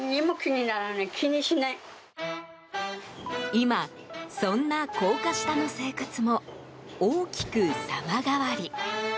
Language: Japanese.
今、そんな高架下の生活も大きく様変わり。